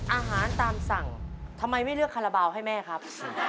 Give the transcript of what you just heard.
อาหารตามสั่งทำไมไม่เลือกคาราบาลให้แม่ครับ